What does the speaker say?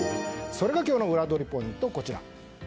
それが今日のウラどりポイント